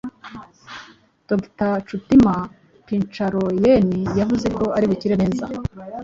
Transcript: Dr Chutima Pincharoen, yavuze ko ari bukire neza